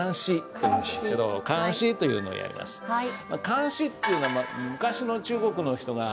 漢詩っていうのは昔の中国の人が。